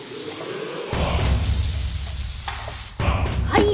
はい！